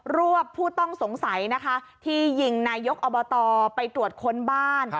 วบผู้ต้องสงสัยนะคะที่ยิงนายกอบตไปตรวจค้นบ้าน